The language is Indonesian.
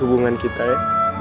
hubungan kita ya